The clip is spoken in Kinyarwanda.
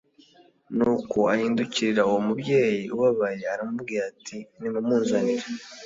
Nuko ahindukirira uwo mubyeyi ubabaye aramubwira ati :« Nimumunzanire. »